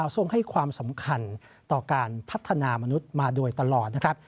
ทรงให้ความสำคัญต่อการพัฒนามนุษย์มาโดยตลอดนะครับ